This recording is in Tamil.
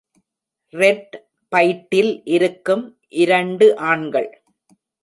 ரெட் பைட்டில் இருக்கும் இரண்டு ஆண்கள்.